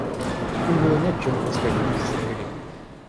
Им было не к чему выскакивать из-за двери.